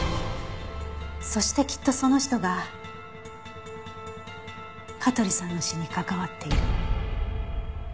そしてきっとその人が香取さんの死に関わっている。